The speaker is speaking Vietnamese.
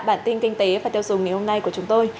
bản tin kinh tế và tiêu dùng ngày hôm nay của chúng tôi